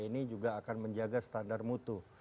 ini juga akan menjaga standar mutu